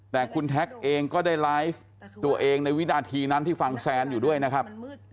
แต่คุณแท็กเองก็ได้ไลฟ์ตัวเองในวินาทีนั้นที่ฟังแซนอยู่ด้วยนะครับ